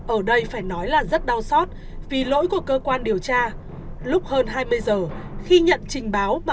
ở đây phải nói là rất đau xót vì lỗi của cơ quan điều tra lúc hơn hai mươi giờ khi nhận trình báo